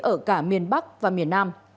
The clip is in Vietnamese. ở cả miền bắc và miền nam